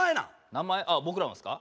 名前あ僕らのですか？